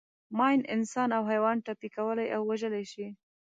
ماین انسان او حیوان ټپي کولای او وژلای شي.